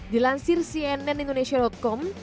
dilansir cnn indonesia com